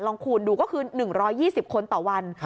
คูณดูก็คือ๑๒๐คนต่อวัน